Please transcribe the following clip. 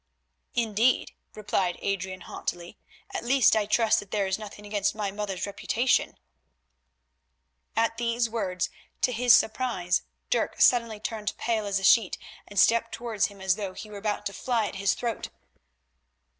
"Indeed," replied Adrian haughtily; "at least I trust that there is nothing against my mother's reputation." At these words, to his surprise, Dirk suddenly turned pale as a sheet and stepped towards him as though he were about to fly at his throat.